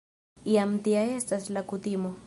Jam tia estas la kutimo.